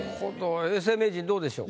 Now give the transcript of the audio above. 永世名人どうでしょう？